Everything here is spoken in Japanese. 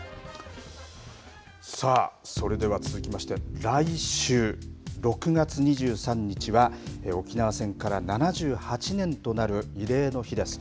さあ、それでは続きまして来週６月２３日は沖縄戦から７８年となる慰霊の日です。